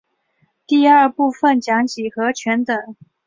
第二部份讲几何全等。